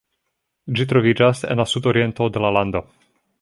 Ĝi troviĝas en la sudoriento de la lando.